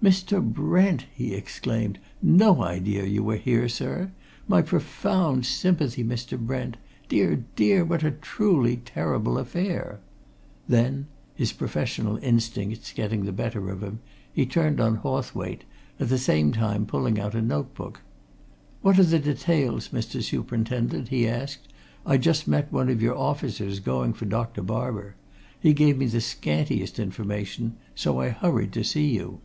"Mr. Brent!" he exclaimed. "No idea you were here, sir. My profound sympathy, Mr. Brent! Dear, dear! what a truly terrible affair!" Then, his professional instincts getting the better of him, he turned on Hawthwaite, at the same time pulling out a note book. "What are the details, Mr. Superintendent?" he asked. "I just met one of your officers, going for Dr. Barber; he gave me the scantiest information, so I hurried to see you."